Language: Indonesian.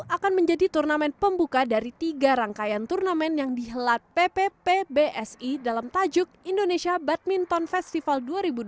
akan menjadi turnamen pembuka dari tiga rangkaian turnamen yang dihelat pppbsi dalam tajuk indonesia badminton festival dua ribu dua puluh